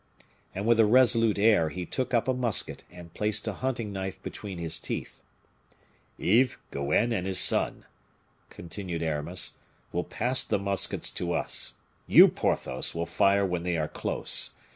And with a resolute air he took up a musket, and placed a hunting knife between his teeth. "Yves, Goenne, and his son," continued Aramis, "will pass the muskets to us. You, Porthos, will fire when they are close.